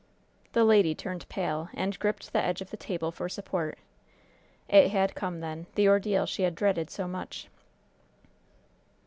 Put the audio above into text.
The lady turned pale and gripped the edge of the table for support. It had come, then, the ordeal she had dreaded so much.